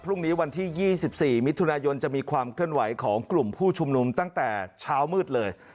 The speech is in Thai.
พรุ่งนี้วันที่๒๔มิถุนายนจะมีความเคลื่อนไหวของกลุ่มผู้ชุมนุมตั้งแต่เช้ามืดเลย